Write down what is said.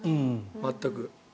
全く。